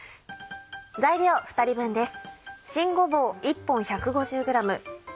材料２人分です。